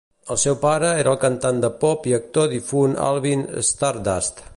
El seu pare era el cantant de pop i actor difunt Alvin Stardust.